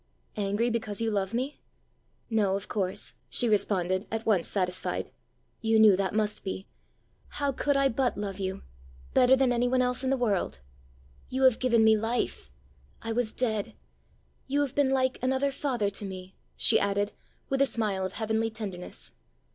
"Angry because you love me?" "No, of course!" she responded, at once satisfied. "You knew that must be! How could I but love you better than any one else in the world! You have given me life! I was dead. You have been like another father to me!" she added, with a smile of heavenly tenderness.